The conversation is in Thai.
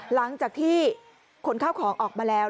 หลังจากที่ขนข้าวของออกมาแล้ว